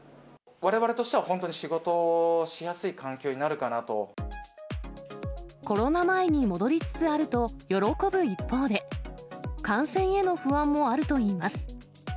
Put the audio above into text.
われわれとしては本当に仕事コロナ前に戻りつつあると喜ぶ一方で、感染への不安もあるといいます。